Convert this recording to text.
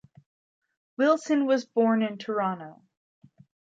Wilson was born in Toronto.